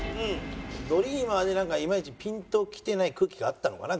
ドリーマーでなんかいまいちピンときてない空気があったのかな？